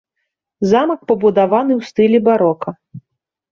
Замак пабудаваны ў стылі барока.